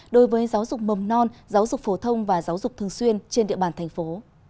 đối với giáo dục mầm non giáo dục phổ thông và giáo dục thường xuyên trên địa bàn thành phố